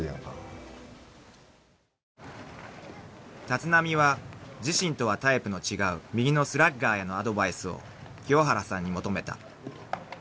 ［立浪は自身とはタイプの違う右のスラッガーへのアドバイスを清原さんに求めた］